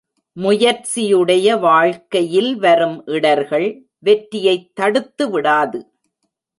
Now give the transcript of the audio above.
முயற்சியுடைய வாழ்க்கையில் வரும் இடர்கள் வெற்றியைத் தடுத்துவிடாது.